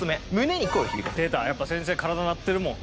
やっぱ先生体鳴ってるもん。